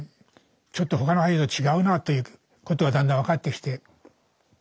ちょっと他の俳優と違うなということがだんだん分かってきて